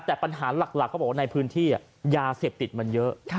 แต่ปัญหาหลักเขาบอกว่าในพื้นที่ยาเสพติดมันเยอะ